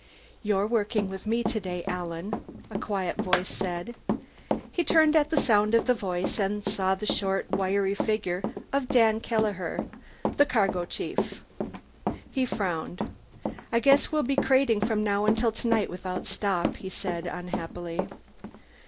"You're working with me today, Alan," a quiet voice said. He turned at the sound of the voice and saw the short, wiry figure of Dan Kelleher, the cargo chief. He frowned. "I guess we'll be crating from now till tonight without a stop," he said unhappily.